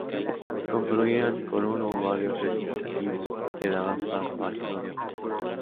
Concluían con uno o varios recitativos que daban paso al "Gloria Patri".